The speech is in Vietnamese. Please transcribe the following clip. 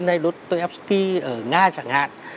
như đây lúc tôi em ski ở nga chẳng hạn